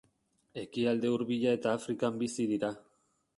Ekialde Hurbila eta Afrikan bizi dira.